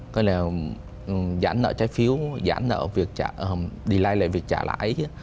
gọi là giãn nợ trái phiếu giãn nợ việc trả delay lại việc trả lãi